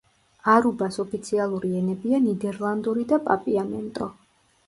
არუბას ოფიციალური ენებია ნიდერლანდური და პაპიამენტო.